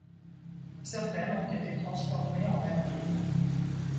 Certaines ont été transformées en altos.